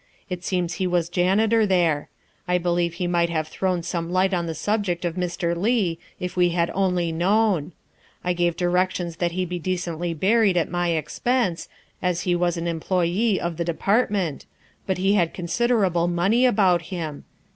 It seems he was janitor there. I believe he might have thrown some light on the subject of Mr. Leigh if we had only known. I gave directions that he be decently buried at my expense, as he was an employe of the Department, but he had considerable money about him.